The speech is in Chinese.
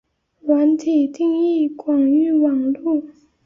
软体定义广域网路。